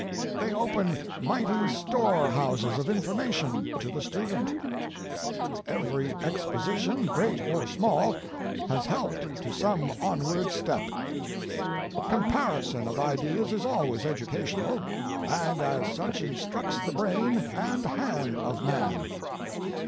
They open might)' storehouses of information to the student. Every exposition, great or small, has helped to some onward step. Comparison of ideas is always educational, and as such instructs the brain and hand of man.